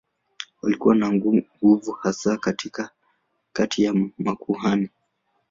Walikuwa na nguvu hasa kati ya makuhani.